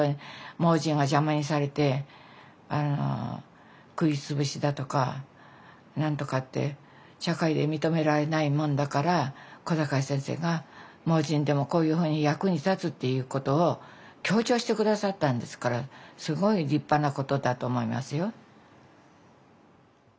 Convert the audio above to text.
盲人は邪魔にされて食い潰しだとか何とかって社会で認められないもんだから小坂井先生が盲人でもこういうふうに役に立つっていうことを強調して下さったんですからすごい立派なことだと思いますよ。